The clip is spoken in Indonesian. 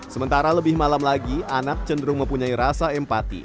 sementara lebih malam lagi anap cenderung mempunyai rasa empati